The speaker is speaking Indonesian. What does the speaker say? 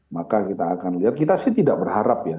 maka kita akan lihat kita sih tidak berharap ya